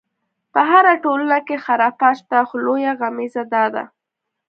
په هره ټولنه کې خرافات شته، خو لویه غمیزه دا ده.